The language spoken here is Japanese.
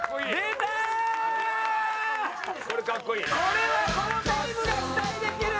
これは好タイムが期待できる！